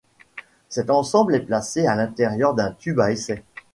Cet ensemble est placé à l'intérieur d'un tube à essai.